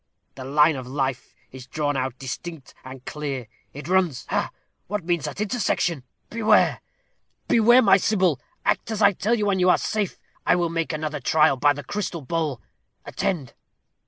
The line of life is drawn out distinct and clear it runs ha! what means that intersection? Beware beware, my Sybil. Act as I tell you, and you are safe. I will make another trial, by the crystal bowl. Attend."